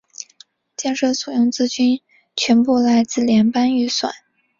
建设所用资金全部来自联邦预算。